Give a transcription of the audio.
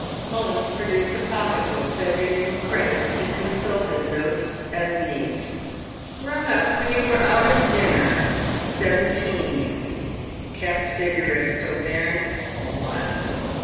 Mullins produced a pocket book that did him credit, and consulted notes as neat. "Rung up when you were out at dinner—seventeen. Kept Cigarettes d'Auvergne—one.